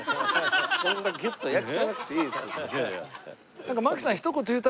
そんなギュッと訳さなくていいですよ。